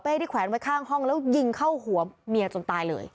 ที่แขวนไว้ข้างห้องแล้วยิงเข้าหัวเมียจนตายเลย